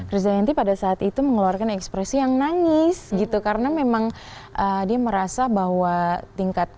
reza henti pada saat itu mengeluarkan ekspresi yang nangis gitu karena memang dia merasa bahwa tingkat